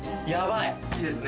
いいですね